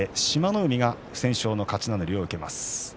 海が不戦勝の勝ち名乗りを受けます。